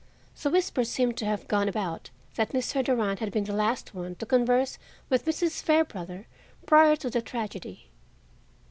The whisper seemed to have gone about that Mr. Durand had been the last one to converse with Mrs. Fairbrother prior to the tragedy.